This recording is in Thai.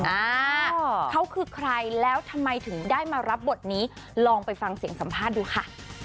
อ่าเขาคือใครแล้วทำไมถึงได้มารับบทนี้ลองไปฟังเสียงสัมภาษณ์ดูค่ะ